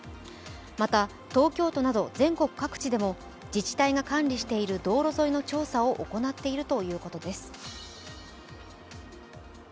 また、東京都など全国各地でも自治体が管理している道路沿いの調査を行っているということです。